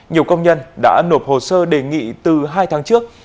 nhiều công nhân đã nộp hồ sơ đề nghị từ hai tháng trước